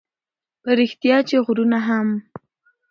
په رښتیا چې غرونه هم